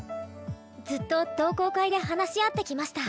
ずっと同好会で話し合ってきました。